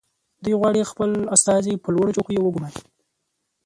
دوی غواړي خپل استازي په لوړو چوکیو وګماري